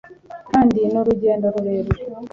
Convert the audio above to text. kandi ni urugendo rerure